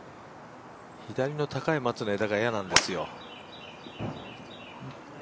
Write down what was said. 左の高い松の枝が嫌なんですよ。